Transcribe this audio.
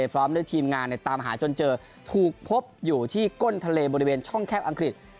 พร้อมด้วยทีมงานตามหาจนเจอถูกพบอยู่ที่ก้นทะเลบริเวณช่องแคบอังกฤษ